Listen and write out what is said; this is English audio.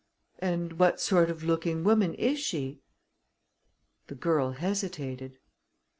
"And what sort of looking woman is she?" The girl hesitated.